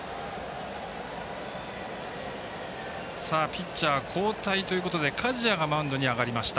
ピッチャー交代ということで加治屋がマウンドに上がりました。